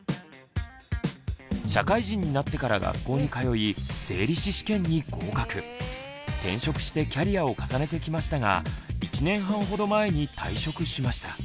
社会人になってから学校に通い転職してキャリアを重ねてきましたが１年半ほど前に退職しました。